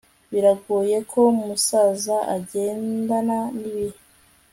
biragoye ko umusaza agendana nibihe